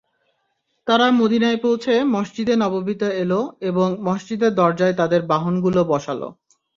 তারা মদীনায় পৌঁছে মসজিদে নববীতে এল এবং মসজিদের দরজায় তাদের বাহনগুলোকে বসাল।